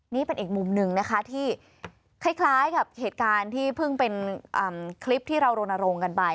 นี่เป็นอีกมุมหนึ่งนะคะที่คล้ายกับเหตุการณ์ที่เพิ่งเป็นคลิปที่เรารณรงค์กันไป